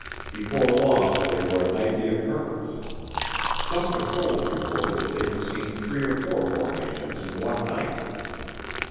Before long they were a nightly occurrence. Some patrols reported that they had seen three or four formations in one night.